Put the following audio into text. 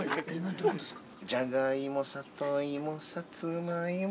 どういうことですか。